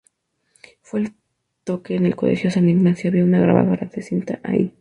Fue el toque en el Colegio San Ignacio, había una grabadora de cinta ahí.